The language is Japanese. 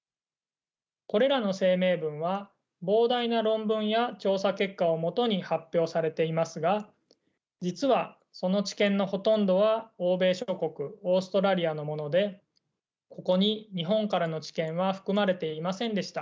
これらの声明文は膨大な論文や調査結果を基に発表されていますが実はその知見のほとんどは欧米諸国オーストラリアのものでここに日本からの知見は含まれていませんでした。